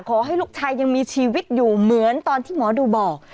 ขอให้ลูกชายยังมีชีวิตอยู่เหมือนตอนที่หมอดูบอก